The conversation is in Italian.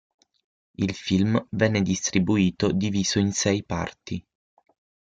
Il film venne distribuito diviso in sei parti.